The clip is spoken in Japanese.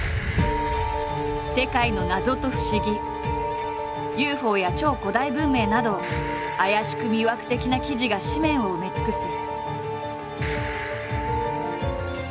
世界の謎と不思議ＵＦＯや超古代文明など怪しく魅惑的な記事が誌面を埋め尽くす。